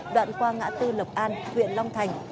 đoạn qua ngã tư lộc an huyện long thành